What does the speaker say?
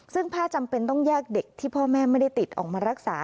ซึ่งแพทย์จำเป็นต้องแยกเด็กที่พ่อแม่ไม่ได้ติดออกมารักษา